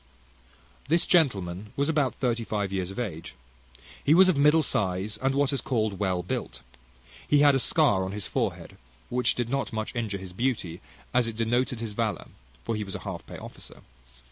This gentleman was about thirty five years of age. He was of a middle size, and what is called well built. He had a scar on his forehead, which did not so much injure his beauty as it denoted his valour (for he was a half pay officer).